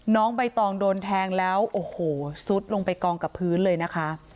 น้องใบตองโดนแทงแล้วโอ้โหซุดลงไปกองกับพื้นเลยนะคะ